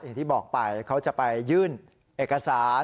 อย่างที่บอกไปเขาจะไปยื่นเอกสาร